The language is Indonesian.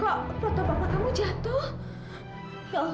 loh kok potong apa kamu jatuh tinggi